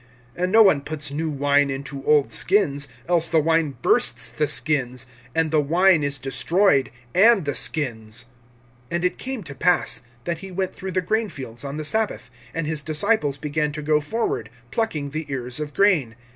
(22)And no one puts new wine into old skins; else the wine bursts the skins, and the wine is destroyed, and the skins[2:22]. (23)And it came to pass, that he went through the grain fields on the sabbath; and his disciples began to go forward[2:23], plucking the ears of grain.